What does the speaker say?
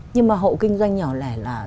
nhưng mà hộ kinh doanh nhỏ lẻ là